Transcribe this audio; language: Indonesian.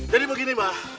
jadi begini pak